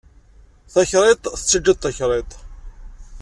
Takriḍt tettaǧǧa-d takriḍt.